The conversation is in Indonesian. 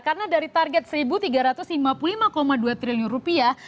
karena dari target seribu tiga ratus lima puluh lima dua triliun rupiah